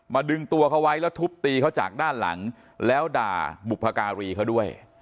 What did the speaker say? ดึงตัวเขาไว้แล้วทุบตีเขาจากด้านหลังแล้วด่าบุพการีเขาด้วย